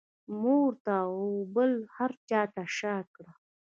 مور ته او بل هر چا ته شا کړه.